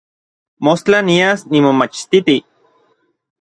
Mostla nias nimomachtiti.